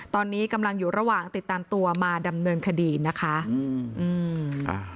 ตอนนี้กำลังอยู่ระหว่างติดตามตัวมาดำเนินคดีนะคะอืมอืมอ่า